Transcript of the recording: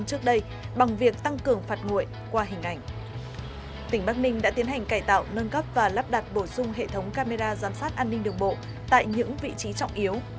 tòa án nhân dân tỉnh đã tiến hành cải tạo nâng cấp và lắp đặt bổ sung hệ thống camera giám sát an ninh đường bộ tại những vị trí trọng yếu